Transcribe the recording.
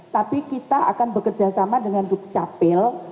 tapi kita akan bekerjasama dengan duk capil